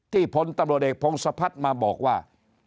พลตำรวจเอกพงศพัฒน์มาบอกว่า